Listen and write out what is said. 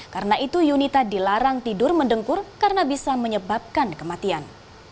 karena itu yunita dilarang tidur mendengkur karena bisa menyebabkan kematian